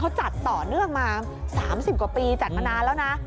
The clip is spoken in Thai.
เขาจัดต่อเนื่องมา๓๐กว่าปีจัดมานานแล้วนะ